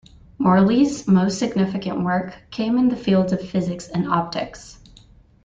Morley's most-significant work came in the field of physics and optics.